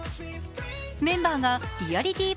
メンバーがリアリティ